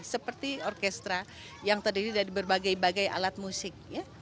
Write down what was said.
seperti orkestra yang terdiri dari berbagai bagai alat musik